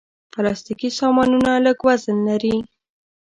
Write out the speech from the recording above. پلاستيکي سامانونه لږ وزن لري.